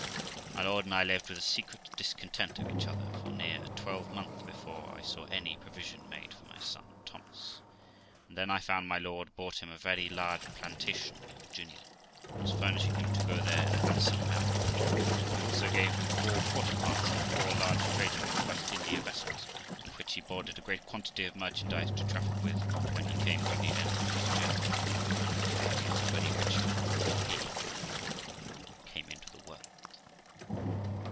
My lord and I lived with a secret discontent of each other for near a twelvemonth before I saw any provision made for my son Thomas, and then I found my lord bought him a very large plantation in Virginia, and was furnishing him to go there in a handsome manner; he also gave him four quarter parts in four large trading West India vessels, in which he boarded a great quantity of merchandise to traffic with when he came to the end of his journey, so that he was a very rich man before he (what we call) came into the world.